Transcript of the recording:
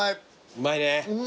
うまいね。